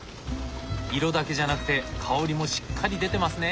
色だけじゃなくて香りもしっかり出てますね。